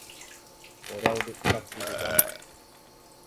Ndɔ raw de ɓlagge debaŋ.